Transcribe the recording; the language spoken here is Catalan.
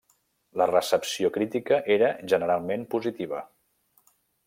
La recepció crítica era generalment positiva.